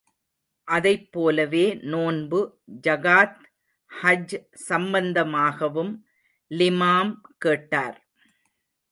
அதைப் போலவே, நோன்பு, ஜகாத், ஹஜ் சம்பந்தமாகவும் லிமாம் கேட்டார்.